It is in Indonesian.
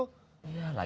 lagi gitu aja lo malah